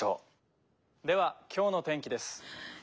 では今日の天気です」。